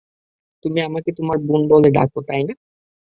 তুমি আমাকে তোমার বোন বলে ডাকো, তাই না?